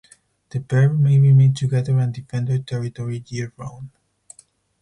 The pair may remain together and defend their territory year-round.